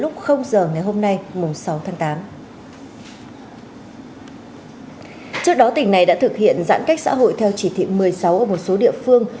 trước đó tỉnh này đã thực hiện giãn cách xã hội theo chỉ thị một mươi sáu ở một số địa phương